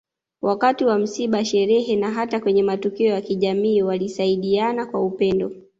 Wakati wa misiba sherehe na hata kwenye matukio ya kijamii walisaidiana kwa upendo